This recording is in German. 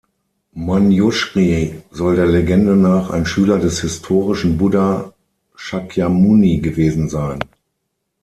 Manjushri soll der Legende nach ein Schüler des historischen Buddha Shakyamuni gewesen sein.